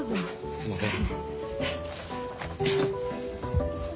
すんません。